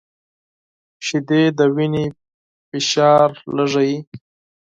• شیدې د وینې فشار کموي.